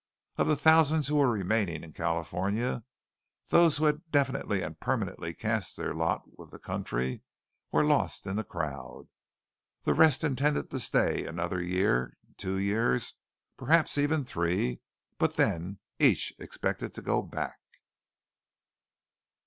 Of the thousands who were remaining in California, those who had definitely and permanently cast their lot with the country were lost in the crowd. The rest intended to stay another year, two years, perhaps even three; but then each expected to go back.